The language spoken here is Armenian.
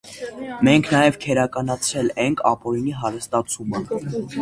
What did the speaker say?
Մենք նաև քրեականացրել ենք ապօրինի հարստացումը: